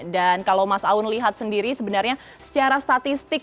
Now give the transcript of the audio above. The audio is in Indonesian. dan kalau mas aun lihat sendiri sebenarnya secara statistik